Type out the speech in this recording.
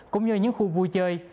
cũng như những khu vui chơi